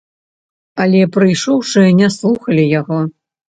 Але прыйшоўшыя не слухалі яго.